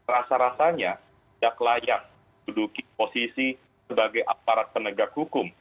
rasa rasanya tidak layak duduk di posisi sebagai aparat penegak hukum